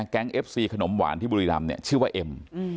แก๊งเอฟซีขนมหวานที่บุรีรัมชื่อว่าเอ็ม